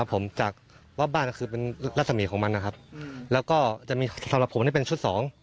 ครับผมด้านบ้านที่นึงคือเป็นราศมีตของมันนะครับแล้วก็ต่างกันจะมีชุดทางแถวนี้ไม่ต้องมากที่ประมาณ๒ร่วม